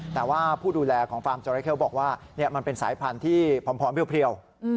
แต่ว่าผู้ดูแลของฟาร์มจอราเคลบอกว่ามันเป็นสายพันธุ์ที่พร้อมเพลียว